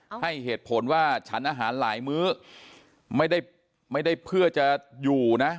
ให้เหตุผลว่าฉันอาหารหลายมื้อไม่ได้ไม่ได้เพื่อจะอยู่นะ